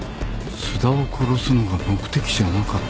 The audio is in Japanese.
津田を殺すのが目的じゃなかった？